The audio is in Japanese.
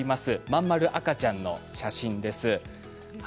真ん丸赤ちゃんの写真です。